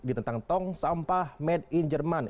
di tentang tong sampah made in jerman